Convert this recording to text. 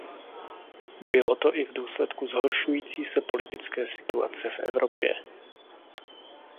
Bylo to i v důsledku zhoršující se politické situace v Evropě.